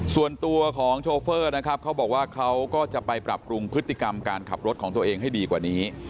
ส่วนตัวของโชเฟอร์นะครับเขาบอกว่าเขาก็จะไปปรับปรุงพฤติกรรมการขับรถของตัวเองให้ดีกว่านี้